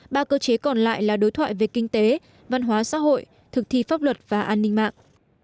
ba cơ chế còn lại là đối thoại về kinh tế văn hóa xã hội thực thi pháp luật và an ninh mạng